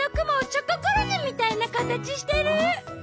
チョココロネみたいなかたちしてる！